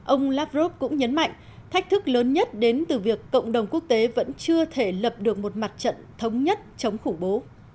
ông lavrov cũng nhấn mạnh thách thức lớn nhất đến từ việc cộng đồng quốc tế vẫn chưa thể lập được một mặt trận thống nhất chống khủng bố